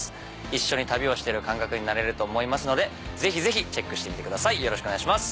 一緒に旅をしてる感覚になれると思いますのでぜひぜひチェックしてくださいよろしくお願いします。